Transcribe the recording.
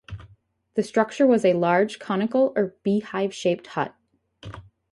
The structure was a large conical or beehive-shaped hut.